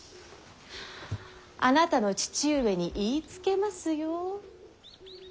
あなたの父上に言いつけますよ。